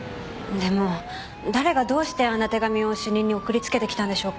でも誰がどうしてあんな手紙を主任に送りつけてきたんでしょうか？